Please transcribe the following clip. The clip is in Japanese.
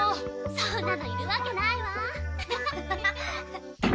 そんなのいるわけないわ。